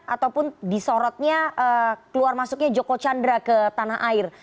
ataupun disorotnya keluar masuknya joko chandra ke tanah air